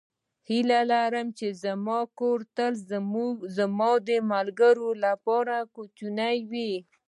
هیله لرم چې زما کور تل زما د ملګرو لپاره کوچنی وي.